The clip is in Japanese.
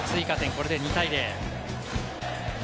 これで２対０。